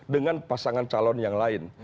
dengan pasangan calon yang lain